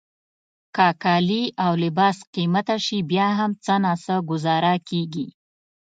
که کالي او لباس قیمته شي بیا هم څه ناڅه ګوزاره کیږي.